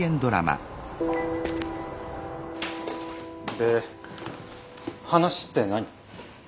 で話って何？